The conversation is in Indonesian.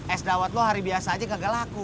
es dawet lo hari biasa aja gagal laku